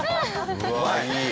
うわいい。